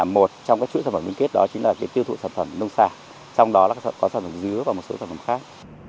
một trong các chuỗi sản phẩm liên kết đó chính là tiêu thụ sản phẩm nông sản trong đó là có sản phẩm dứa và một số sản phẩm khác